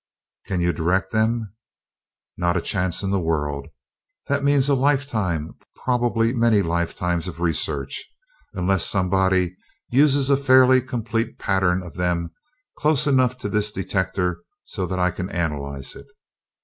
"Can you direct them?" "Not a chance in the world. That means a lifetime, probably many lifetimes, of research, unless somebody uses a fairly complete pattern of them close enough to this detector so that I can analyze it.